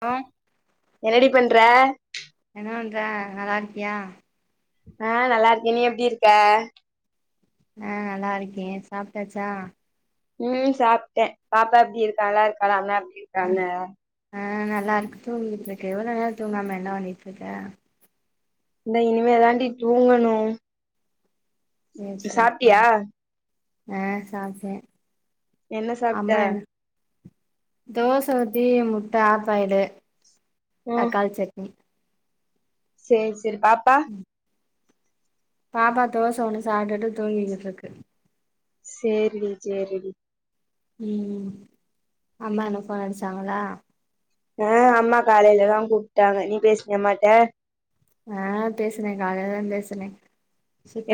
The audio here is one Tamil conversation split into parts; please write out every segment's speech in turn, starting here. ஆ என்னடி பண்ற என்ன பண்ற நல்லாருக்கியா ஆ நல்லாருக்க நீ எப்டி இருக்க ஆ நல்லாருக்கே சாப்ட்டாச்சா ம் சாப்ட்டே பாப்பா எப்டி இருக்கா நல்லாருக்காளா அண்ணா எப்டி ஆ இருக்காங்க ஆ நல்லாருக்கு தூங்கிக்கிட்டு இருக்கு இவ்ளோ நேர தூங்காம என்ன பண்ணிட்ருக்க இந்தா இனிமே தாண்டி தூங்கணு சேரி சேரி சாப்ட்டியா சேரி ஆ சாப்ட்டே என்ன சாப்ட்ட அம்மா என்ன தோச ஊத்தி முட்ட ஆஃபாய்லு ம் தக்காளிச் சட்னி ம் சேரி சேரி பாப்பா பாப்பா தோச ஒன்னு சாப்ட்டுட்டு தூங்கிக்கிட்டு இருக்கு சேரிடி சேரிடி ம் அம்மா என்ன ஃபோன் அடிச்சாங்களா ஆ அம்மா காலையிலதா கூப்ட்டாங்க நீ பேசினியா அம்மாட்ட ஆ பேசுனே காலையில தா பேசுனே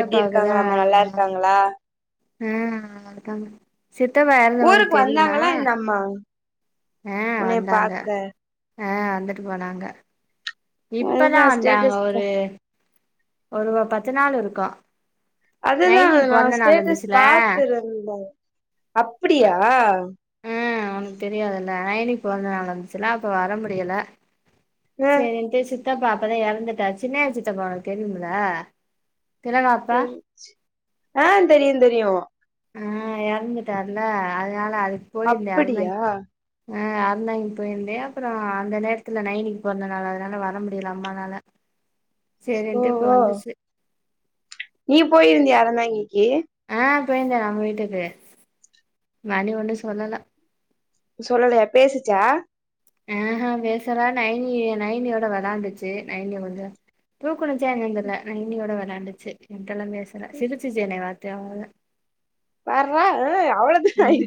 எப்டி இருக்காங்களாமா நல்லா இருக்காங்களா ஆ இருக்காங்க சித்தப்பா எறந்தது ஒனக்கு தெரியுமா ஆமா ஆ வந்தாங்க ஆ வந்துட்டு போனாங்க இப்பதா அதுதா வந்தாங்க ஸ்டேட்டஸ் ஒரு ஒரு வ பத்து நாள் இருக்கும் அதுதா நா ஸ்டேட்டஸ் பாத்துருந்த அப்டியா தெரியாதுல் நயனி பொறந்த நாள் வந்துச்சுல அப்ப வர முடியல ஆ சேரின்ட்டு சித்தப்பா அப்பதா எறந்துட்டாரு சின்னாக சித்தப்பா ஒனக்கு தெரியுமில தெரி ஆ தெரியு தெரியு ஆ எறந்துட்டார்ல அதனால அதுக்கு போயிருந்த அததா அப்படியா ஆ அறந்தாங்கி போயிருந்தே அப்புறம் அந்த நேரத்துல நைனிக்கு பொறந்த நாளு அதனால வர முடியல அம்மானால [inaudible] ஓ சேரின்ட்டு இப்ப ஓ வந்துச்சு நீ போயிருந்தியா அறந்தாங்கிக்கு ஆ போயிருந்தே நம்ம வீட்டுக்கு மணி ஒன்னு சொல்லல சொல்லலையா பேசிச்சா ஆஹ பேசல நைனி நைனியோட வெளான்டுச்சு நைனிய வந்து தூக்குணுச்சா என்னனு தெர்ல நைனியோட வெளாண்டுச்சு என்ட்டெல்லா பேசல சிரிச்சிச்சு என்னைய பாத்து அவ்ளதா பார்ரா ம் அவ்வளோ ம்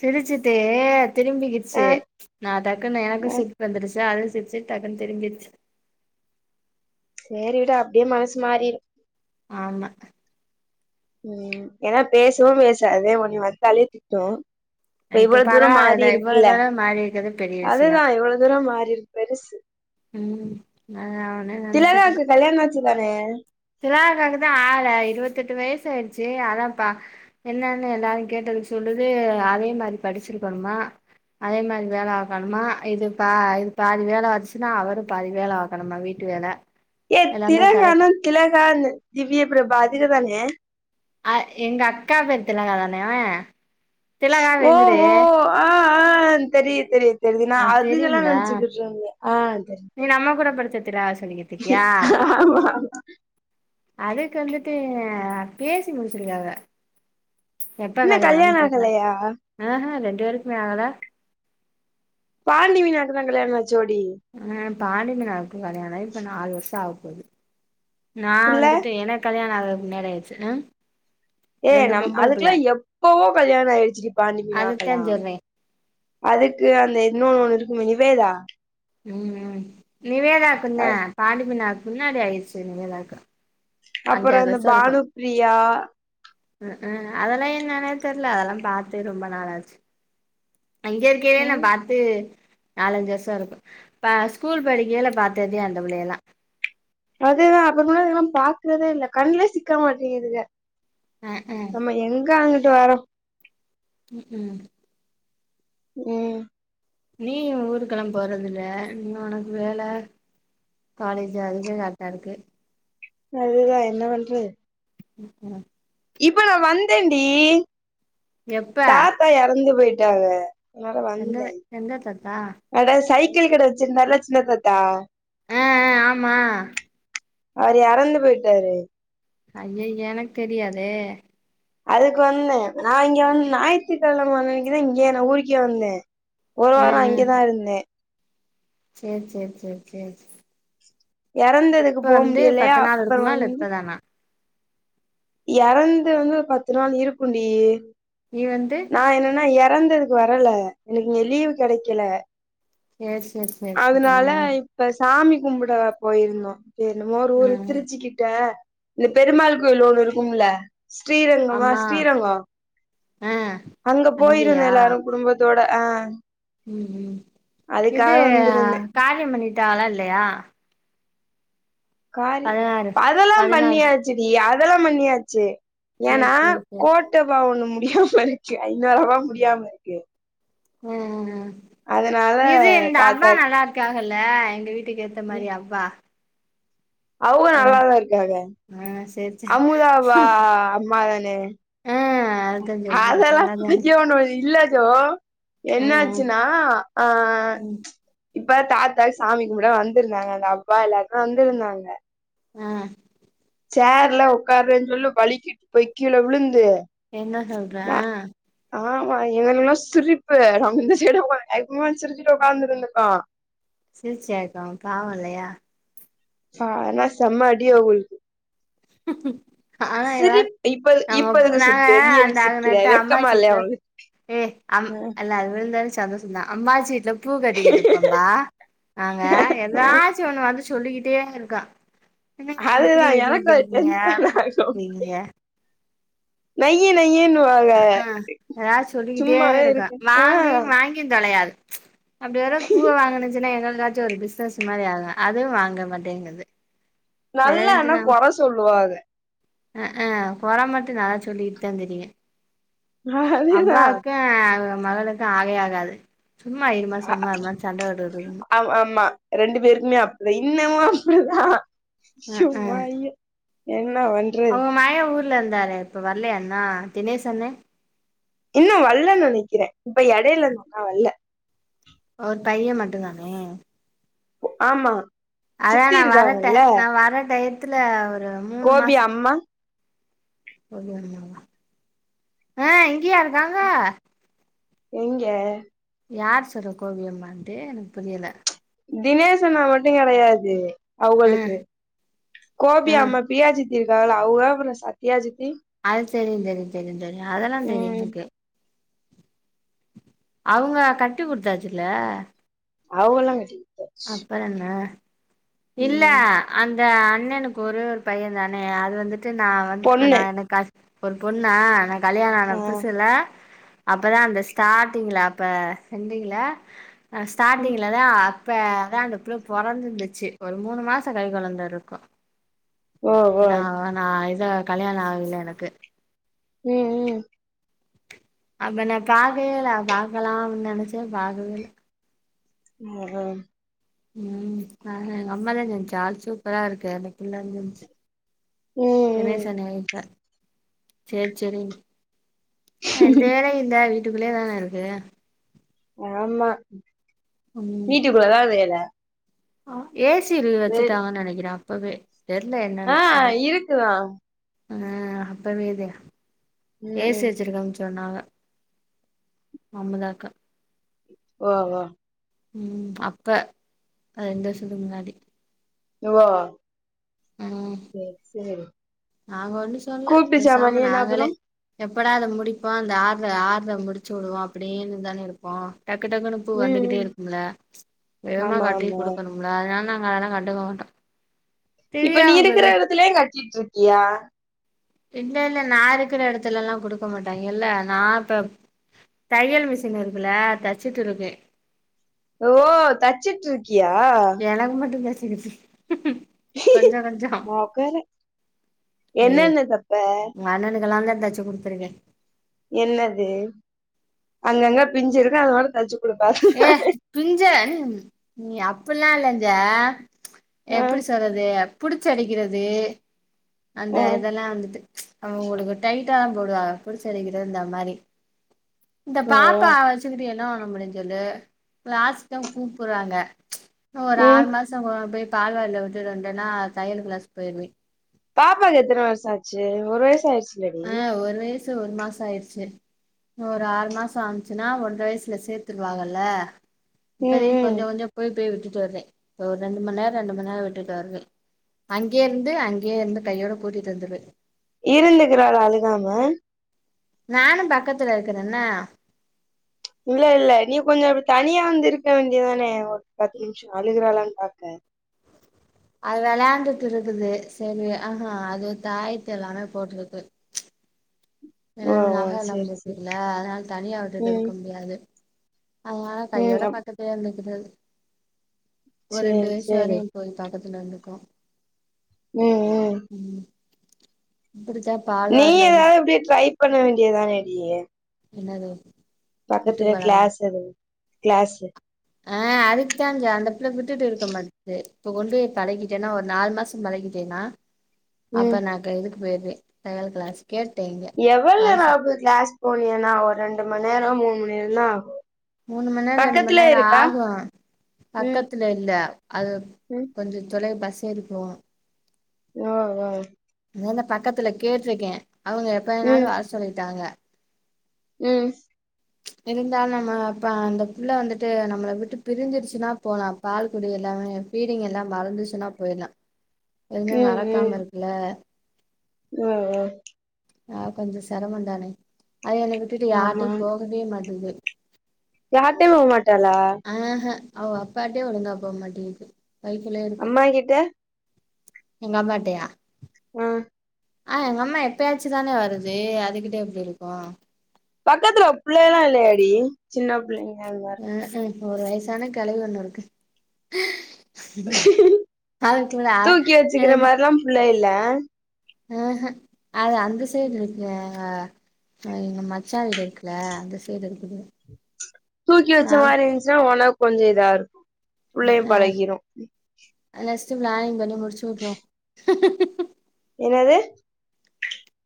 சிரிச்சுட்டு ஆ திரும்பிக்கிச்சி நா டக்குன்னு எனக்கு ஆ சிரிப்பு வந்துருச்சாஅதுவு சிரிச்சு டக்குன்னு திரும்பிருச்சு சேரி விடு அப்டியே மனசு மாறிரு ஆமா ம் ஏன்னா பேசவு பேசாது உன்னைய வந்தாலே திட்டு இவ்வள இப்ப தூரோ பரவாயில்லல்ல மாறிருக்குல்ல இவ்வளவு தூரோ மாறி இருக்கறது பெரிய விஷயோ அதுதா இவ்வள தூரோ மாறிருக்கு பெருசு ம் நா அவன நனச்சுக்கற திலகாக்கு கல்யாண ஆச்சு தானே திலானாக்கு தா ஆள இருவத்தெட்டு வயசு ஆய்டுச்சு அதான்ப்பா என்னன்னு எல்லாரு கேட்டதுக் சொல்லுது அதே மாரி படிச்சிருக்கணுமா அதே மாரி வேலை பாக்கணுமா இது பா இது பாதி வேல வச்சு னா அவரு பாதி வேல பாக்கனுமா வீட்டு வேல ஏ எல்லாமே கரெக்ட் திலகானா திலகா இந்த திவ்ய பிரபா அதுகதானே அ எங்க அக்கா பேரு திலகா தான வ ஓ ஓ ஆ ஆ தெரிது தெரிது தெரியது நா உனக்கு அதுகெல்லா தெரியும்ல நெனச்சுக்ட்டு இருந்த [unintelligible] நீ நம்ம கூட படிச்ச திலகா தெரியு சொல்லிகிட்டுருக்கியா ஆமா அதுக்கு வந்துட்டு பேசி முடிச்சிருக்காவ எப்ப இன்னு கல்யாண கல்யாணன் தெர்ல ஆகலையா அக ரெண்டு பேருக்குமே ஆகல பாண்டி மீனாக்கு தா கல்யாணோ ஆச்சோடி ஆ பாண்டிமீனாவுக்கு கல்யாணோ ஆயி இப்ப நாலு வருஷோ ஆகப்போது நா புள்ள வந்துட்டு எனக் கல்யாண ஆக மேரேயிச்சு அ ஏ நம் அதுக்கெல்லா எப்பவோ கல்யாணோ ஆய்டுச்சு டி பாண்டி அதத்தா மீனாக்கெல்லா சொல்றே அதுக்கு அந்த இன்னு இருக்குமே நிவேதா ம் ம் நிவேதாக்குந்தே பாண்டிமீனாக்கு முன்னாடி ஆய்டுச்சு நிவேதாக்கு அப்புறோ அஞ்சாறு இந்த பானுபிரியா அ அ அதெல்லா என்னனே தெர்ல அதெல்லா பாத்தே ரொம்ப நாளாச்சு அங்க இருக்கேலே நா ம் பாத்து நாலஞ்சு வருஷோ இருக்கு ப ஸ்கூல் படிக்கையில பாத்ததே அந்த பிள்ளையல்லா அதேதா அப்புறம்னா இதெல்லா பாக்குறதே இல்ல கண்லே சிக்க மாட்டீங்குதுக அ அ நம்ம எங்க அங்கிட்டு வரோ ம் ம் நீ ஊருக்கெல்லா போறதில்ல நீ உனக்கு வேல காலேஜ் அதுவே கரெக்டா இருக்கு அதுதா என்ன பண்ற ம் இப்ப நா வந்தேன்டி எப்ப தாத்தா எறந்து போய்ட்டாவ அனால எந்த வந்த எந்த தாத்தா நட சைக்கிள் கட வச்சிருந்தாருல்ல சின்ன தாத்தா அ அ ஆமா அவரு எறந்து போய்ட்டாரு அய்ய எனக்கு தெரியாதே அதுக்கு வந்த நா இங்க வந்து ஞாயிற்று கெழம தா இங்க நா ஊருக்கே வந்த ஒரு ஆ வாரோ ஆ இங்கதா இருந்தே சேரி சேரி சேரி சேரி சேரி எறந்ததுக்கு இப்ப போ வந்து முடியலையா பத்து நாள் அப்புறோ இருக்குமா இல்ல வந்து இப்பதானா எறந்து வந்து ஒரு பத்து நாள் இருக்குண்டி நீ வந்து நா என்னன்னா எறந்ததுக்கு வரல எனக்கு இங்க லீவ் கெடைக்கல யஸ் யஸ் அதனால இப்ப சாமி கும்பிட போயிருந்தோ என்னமோ ஒரு ஆ ஊரு திருச்சிக்கிட்ட இந்த பெருமாள் கோவில் ஒன்னு இருக்கும்ல ஸ்ரீரங்கமா அம்மா ஸ்ரீரங்கோ ஆ அங்க போயிருந்தோ அங்கேயா எல்லாரு குடும்பத் தோட ஆ ம் ம் இது அதுக்காக வந்திருந்தே காரியோ பண்ணிட்டாகளா இல்லயா காரி பதினாறு அதெல்லா பதினாறு பண்ணியாச் சுடி அதெல்லா பண்ணியாச்சு சேரி ஏனா சேரி சேரி கோ ட்டபா ஒண்ணு முடியாமருக்கு ஐந்து வருடமா முடியாமருக்கு அ ஆ அதனால இது இந்த அவ்வா தாத்தா நல்லாரு க்காகள்ல எங்க வீட்டுக்கு ஏத்த மாரி அவ்வா அவுக ஒரு நல்லாதாருக்காக ஆ சேரி சேரி அமுதாவா அம்மாதானே ஆ அதத்தா சொல்றே அதெல்லா நல்லாதானே [unintelligible] இல்ல ஜோ ஆ என்னாச்சுனா ஆ ஆ ம் இப்ப தாத்தாக் சாமி கும்ட வந்திருந்தாங்க அந்த அவ்வா எல்லாருமே வந்திருந்தாங்க ஆ சேர்ல உக்கார்றேன் சொல்லி வழுக்கிட்டு போய் கீழ விழுந்து என்ன சொல்ற நா ஆ ஆமா எங்ளுக்லா சிரிப்பு நம்ம இந்த சைடு உக்காந்து எப்யுபோல சிரிச்சிட்டு உக்காந்திருந்துட்டோ சிரிச்சியாக்கு காவோ இல்லயா ஆனா செம்ம அடி அவுங்களுக்கு [unintelligible] ஆனா எதா சிரிப் இப்ப இப்ப நாங்க எதுக்கு நாங்க சிரிக்கிற நீ அந்த எதுக்கு அ சிரிக்கிற நேத்து வெக்கமா அம்மாச்சி இல்லையா வீட்ல உனக்கு ஏ அம் இல்ல அது விழுந்தது சந்தோஷந்தா அம்மாச்சி வீட்ல பூ கட்டிக்கிட்ருப்போம்பா நாங்க எதாச்சு ஒன்னு வந்து சொல்லிக்கிட்டேருக்கு அது‌தா எனக்கு டென்ஷன் ஏ [unintelligible] நய்யி நய்யின்னுவாக அ ஆ எதாவ்து சொல்லிக்கிட்டேருக்கு இருக்கு ஆ வாங்கி வாங்கியு தொலயாது அப்டி ஒரு பூவ வாங்னுச்சுன்னா எங்கள்காச்சு ஒரு பிசினஸ் மாரி ஆகு அதுவு வாங்க மாட்டேங்கிது நல்லா ஆனா கொற சொல்லுவாக அ ஆ கொற மட்டு நல்லா சொல்லிட்தா திரியு அதுதா அவ்வாவுக்கு அவுக மகளுக்கு ஆகவே ஆகாது சும்மா இருமா சும்மா இருமான் சண்ட போட்டுட்ருக்குங்க அம் ஆமா ரெண்டு பேருக்குமே அப்டிதா இன்னமு அப்டிதா அஹ் சும்மா அய்யோ என்ன வன் அவுக மயே ஊர்லந்தாரே இப்ப வர்லயா இன்னு தினேஷண்னே இன்னு வல்லன் நெனைக்கிறே இப்ப எடைல அந்தண்ணா வல்ல ஒரு பையே மட்டுந்தானே ஆமா அதா சித்தி நா வர ட இருக்காங்கல்ல நா வர டயத்துல ஒரு மூனு கோபி மாசோ அம்மா [inaudible] ஆ இங்கியா இருக்காங்க எங்க யார் சொல்றா கோபி அம்மான்ட்டு எனக்கு புரியல தினேஷ் அண்ணா மட்டு கெடயாது ஆஹ் அவுகளுக்கு கோபி ஆஹ் அம்மா பிரியா சித் தி இருக்காகள அவுக அப்றோ சத்தியா சித்தி அது தெரியு தெரியு தெரியு தெரியு அதெல்லா தெரியு ம் எனக்கு அவுங்க கட்டி குடுத்தாச்சுல்ல அவுகல்லா கட்டி குடுத்தே அப்றோ என்ன இல்ல ம் அந்த அண்ணனுக்கு ஒரே ஒரு பையே தானே அது வந்துட்டு நா வந்து நா பொண்ணு எனக்கு கசு ஒரு பொண்ணா நா கல்யாண ஆனா ஆ புதுசுல அப்பதா அந்த ஸ்டார்ட்டிங்ல அப்ப இருந்திங்கள ம் ஸ்டார்டிங்லதா இப்ப அதா அந்த புள்ள பொறந்துந்துச்சு ஒரு மூணு மாசோ கை கொழந்தருக்கு ஓ இப்ப ஓ நா நா இத கல்யாணோ ஆகல எனக்கு ம் ம் அப்ப நா பாக்கவேல்ல பாக்கலாம்னு நனைச்சே பாக்கவே இல்ல ஒஹா ம் அஹா எங்க அம்மா தா சொல்ச்சி ஆள் சூப்பரா இருக்கார்னு அப்டிலா சொல்ச்சி ம் என்னைய ம் பிரசனயே இல்ல செரி செரினு எந்த வேல இல்ல வீட் டுக்குள்ளே தானருக்கே ஆமா வீட்டுக்குள்ளதா வேல ஆ ஏ சி இருக்கு வே வச்சுட்டாங்கன்னு நெனைக்கிறே அப்பவே தெர்ல ஆ என்னன்னு சரி இருக்குதா அ அப்பவே இது ஏ ம் சி ம் வச்சிருகாங்ணு சொன்னாங்க அமுதாக்கா ஓ ஓ ம் அப்ப ரெண்டு வர்ஷத்துக்கு முன்னாடி வா ம் செர் செரி நாங்க ஒண்ணு சொல்ல பேசாம அப்றோ நாங்களே எப்படா அத முடிப்போ அந்த ஆட்ர ஆட்ர முடிச்சி வுடுவோ அப்டீனுதான இருப்போ டக்கு டக்குனு துப்பு ம் வந்துகிட்டே ம் இருக்கும்ல வேகமா ஆமா கட்டி ஆமா குடுகணும்ல அதனால நாங்க அதலா கண்டுக்க மாட்டோ இப்ப நீ திவ்யாவு இருக்கிற இப்பவே எடத்லே கட்சிட்டிருக்கியா இல்ல இல்ல நா இருக்கிற எடத்துலல்லா குடுக்க மாட்டாங்க இல்ல நா இப்ப தையல் மிசின் இருக்குல தச்சிட்டிருக்கு ஓ தச்சிட்ருக்கியா எனக்கு மட்டு தச்சு [unintelligible] மொகர ஏ என்னென்ன தப்ப உங்க அண்ணணுகலா நா தா தச்சி குடுத்ருக்கே என்னது அங்கங்க பிஞ்ஞிருக்கு அத வேற தச்சி கு ஏ பிஞ்ஞ ம் நீ அப்பட்லா இல்லஜ ஆ எப்டி சொல்றது புடிச்சி அடிகிறது அந்த ஆ இதெல்லா வந்துட்டு அவங்களுக்கு டைட்டா போடுவாங்க புடிச்சு அடிக்றது அந்த மாரி இந்த ஆ பாப்பா வச் சுக்கிட்டு என்ன பண்ண முடியு சொல்லு லாஸ்டா கூப்புட்றாங்க ஒரு ஆறு ம் மாஸ்த் ஓ போய் பால்வாடில விட்டுட்டு வந்தேனா தையல் க்ளாஸ்கு போய்ர்வே பாப்பாகெத்தன வருஷோ ஆச்சி ஒரு வயசு ஆய்ர்சி ஆ ஒரு வய்சு ஒரு மாசோ ஆய்ர்ச்சி ஒரு ஆறு மாசோ ஆச்சினா ஒன்ற வயசுல சேத்ருவாங்கல்ல ம் இப்போதைக்கு ம் கொஞ்சோ கொஞ்சோ போய் போய் வுட்டுட்டு வருவே இப்ப ஒரு ரெண்டு மண் நேரோ ரெண்டு மண் நேரோ விட்டுடு வருவே அங்கேயிர்ந்து அங்கேயிருந்து கையோட கூட்டிட்டு வந்ருவே இருந்துகிறாளா அழுகாம நானு பக்கதுல இருக்கனேன்னா இல்லல்ல நீ கொஞ்சோ இப்டி தனியா வந்து இருக்க வேண்டியதானே ஒரு பத்து நிம்ஷோ அழுகுறாலானு பாக்க அது வெளாண்டுட்டிருக்குது சரி ஆஹா அது தாய்ட்டல்லாம போட்ருக்கு எ ஓ நக ஓ [unintelligible] சேரி சேரி இருக்குல அதனால தனியா விட்டுட்டு ம் இருக்க முடியாது அதனால கையோட ம் பாத்துகிட்டே இருந்துக்குறது ஒரு ரெண்டு சேரி வயசு சேரி வரயு போய் பக்கத்துல இருந்துகு ம் ம் இப்புடிதா நீ எதாவது இப்டியே ட்ரை பண்ண வேண்டியதான டி என்னாது பக்கத்துல கிளாஸ் எது கிளாஸு அதுக்கு தான்டி அந்த பிள்ள விட்டுட்டு இருக்க மாட்டுது இப்ப கொண்டு பழகிட்டேன்னா ஒரு நாலு மாச பழகிட்டேன்னா ம் அப்ப நா க இதுக்கு போயிருவ தையல் க்ளாஸ் கேட்டே இங்க எவளோ நேரோ வருஷ ஆகப்போது கிளாஸ் போனியன்னா ஒரு ரெண்டு மண் நேர மூணு மண் நேர தா ஆகு மூணு மண் நேர ரெண்டு மண் பக்கத்துல நேர இருக்கா ஆகு ம் பக்கதுல இல்ல அது ம் கொஞ்ச தொலை பஸ் ஏரிப்போ ஓ ஓ அந்த பக்கத்துல கேட்ருக்கே அவுங்க எப்பவேனாலு ம் வர சொல்லிட்டாங்க ம் இருந்தாலு நம்ம அப்ப அந்தபுள்ள வந்துட்டு நம்மள விட்டு பிரி்ஞ்சிர்சுனா போலா பால்குடி எல்லாமே ஃபீடிங் எல்லா மறந்துச்சினா போயிட்லா எதுவ்மே ம் மறக்காம ம் இருக்குல்ல ஓ ஓ அ கொஞ்சோ செரம தானே அது என்ன விட்டுட்டு யார்ட்டயு ஆமா போகவே மாட்டுது யார்ட்டயு போமாட்டாலா இஹு அவ அப்பாட்டயே ஒழுங்கா போமாட்டேங்குது வைத்துலேருக்கு அம்மா கிட்ட எங்க அம்மாட்டயா ம் ஆ எங்க அம்மா எப்பயாச்சு தானே வருது அதுகிட்ட எப்டி இருக்கு பக்கத்துல புள்ள எல்லா இல்லயாடி சின்ன புள்ளைங்கங்க ஒரு வயசான கெளவி ஒண்ணு இருக்கு அவ கூட தூக்கி வச்சுக்கிற எனக்கு மாரில்லா புள்ள இல்ல ஆஹ அது அந்த சைடு ம். இருக்குஹ அ எங்க மச்சா வீடு இருக்குல அந்த சைடு இருக்குது தூக்கி வச்ச ஆ மாரி இருந்துச்சுன்னா ஒனக்கு கொஞ்ச இதா இருக்கு புள்ளயு பழகிரு நெக்ஸ்டு ப்ளானிங் பண்ணி முடிச்சு உட்ருவோ என்னது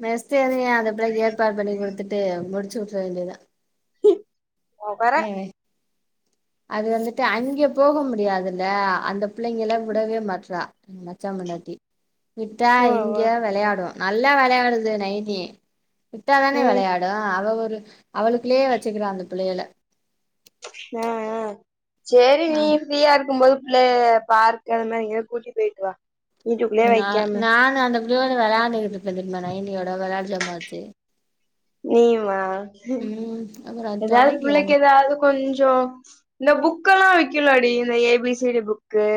நெஸ்ட் ஏ அந்த புள்ளைக்கு ஏற்பாடு பண்ணி குடுத்துட்டு முடிச்சு உட்டுற வேண்டியதா வேற ஏ அது வந்துட்டு அங்கே போக முடியாதுல அந்த பிள்ளைங்கள விடவே மாட்டறா மச்சா பொண்டாட்டி விட்டா ம் இங்க வா வெளையாடு நல்லா வெளையாடுது நைனி விட்டாதானே ம் வெளையாடு அவ ஒரு அவளுக்குள்ளையே வச்சுக்குறா அந்த பிள்ளையல அ அ சேரி ஆ நீ ஃப்ரீயா இருக்கும்போது புள்ளய பார்க்கு அந்த மாரி எங்கயாது கூட்டி பெயிட்டு வா வீட்டுக்குள்ளயே நா வைக்காம நானு அந்த பிள்ளயோட வெளையாண்டுகுட்ருப்பெ தெரியமா நைனியோட வெளையாட்டு ஜாமா வச்சி நீயுமா அப்புறம் எதாவது துணைக்கு புள்ளைக்கு அவ- எதாவது கொஞ்சோ இந்த புக்கெலா வைக்கலாடி இந்த ஏபிசிடி புக்கு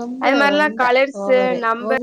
ரொம்ப அது மாரிலா ரொம்ப கலர்ஸு ஓவரு ஒரு நம்பர்